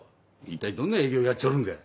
一体どんな営業やっちょるんか。